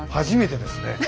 初めてですね。